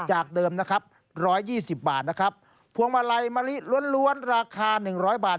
จากเดิมนะครับร้อยยี่สิบบาทนะครับพวงมาลัยมะลิล้วนล้วนราคาหนึ่งร้อยบาท